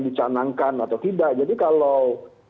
dicanangkan atau tidak jadi kalau